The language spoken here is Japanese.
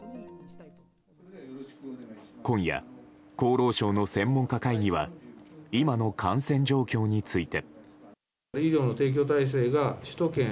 今夜、厚労省の専門家会議は今の感染状況について。